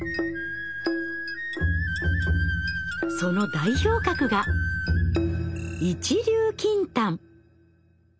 その代表格が「一粒金丹」。